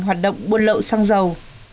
hoạt động bút lậu sang dầu